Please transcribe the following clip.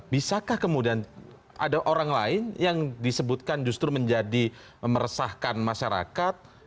bisakah kemudian ada orang lain yang disebutkan justru menjadi meresahkan masyarakat